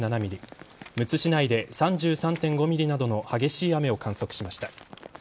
むつ市内で３３．５ｍｍなどの激しい雨を観測しました。